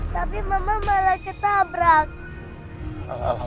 tapi mama malah ketabrak